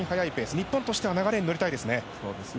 日本としては流れに乗りたいですね。